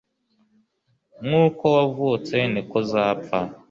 Nkuko wavutse niko uzapfa